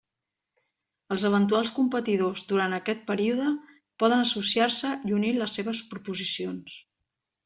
Els eventuals competidors, durant aquest període, poden associar-se i unir les seues proposicions.